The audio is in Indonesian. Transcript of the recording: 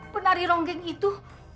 penari ronggeng itu